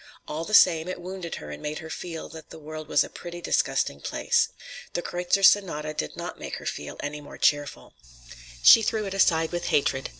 All the same, it wounded her and made her feel that the world was a pretty disgusting place. "The Kreutzer Sonata" did not make her feel any more cheerful. She threw it aside with hatred.